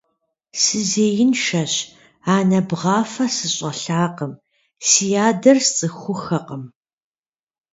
Сызеиншэщ, анэ бгъафэ сыщӀэлъакъым, си адэр сцӀыхуххэкъым.